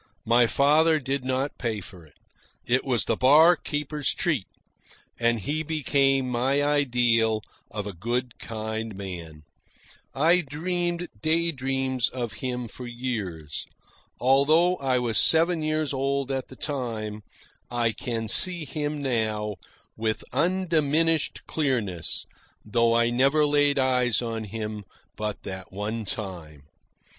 My father did not pay for it. It was the barkeeper's treat, and he became my ideal of a good, kind man. I dreamed day dreams of him for years. Although I was seven years old at the time, I can see him now with undiminished clearness, though I never laid eyes on him but that one time.